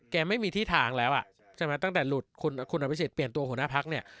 ไม่มีที่ทางแล้วอ่ะใช่ไหมตั้งแต่หลุดคุณอภิษฎเปลี่ยนตัวหัวหน้าพักเนี่ย